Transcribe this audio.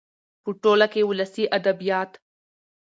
.په ټوله کې ولسي ادبيات